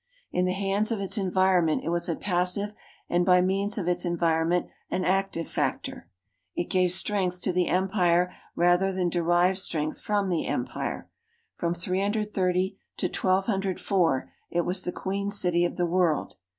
In the hands of its environment it was a passive and by means of its environment an active factor. It gave strength to the emjiii'e rather than derived strength from the empire. From 3;>0 to 1204 it was the queen city of the world.